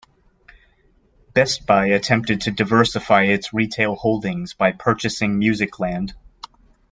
Best Buy attempted to diversify its retail holdings by purchasing Musicland.